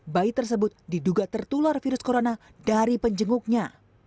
bayi tersebut diduga tertular virus corona dari penjenguknya